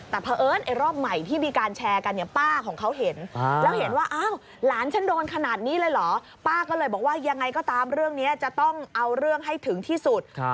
แต่เพราะเอิ้นไอ้รอบใหม่ที่มีการแชร์กันเนี่ยป้าของเขาเห็นแล้วเห็นว่าอ้าวหลานฉันโดนขนาดนี้เลยเหรอป้าก็เลยบอกว่ายังไงก็ตามเรื่องนี้จะต้องเอาเรื่องให้ถึงที่สุด